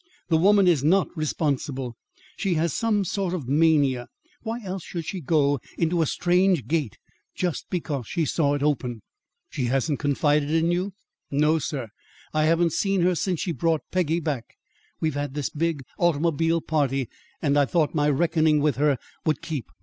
The woman is not responsible. She has some sort of mania. Why else should she go into a strange gate just because she saw it open?" "She hasn't confided in you?" "No, sir. I haven't seen her since she brought Peggy back. We've had this big automobile party, and I thought my reckoning with her would keep.